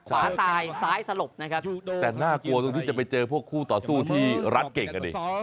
ขวาตายซ้ายสลบนะครับแต่น่ากลัวตรงที่จะไปเจอพวกคู่ต่อสู้ที่รัดเก่งอ่ะดิ